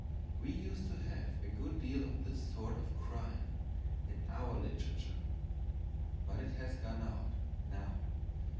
We used to have a good deal of this sort of crime in our literature, but it has gone out now.